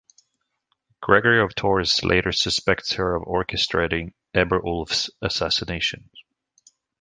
Gregory of Tours later suspects her of orchestrating Eberulf's assassination.